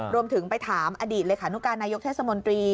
รวมถึงไปถามอดีตเลขานุการนายกเทศมนตรี